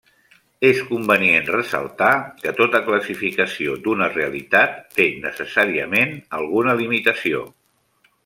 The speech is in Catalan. És convenient ressaltar que tota classificació d'una realitat, té necessàriament alguna limitació.